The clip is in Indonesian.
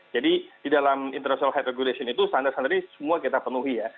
jadi di dalam international health regulation itu standar standar ini semua kita penuhi ya